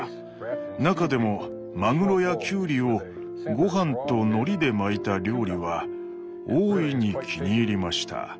中でもマグロやキュウリをごはんとのりで巻いた料理は大いに気に入りました。